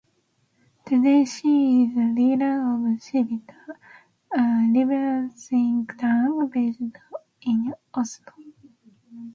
Today she is the leader of Civita, a liberal think tank based in Oslo.